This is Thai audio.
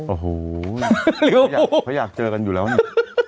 โอ้โหเขาอยากเจอกันอยู่แล้วเนี่ย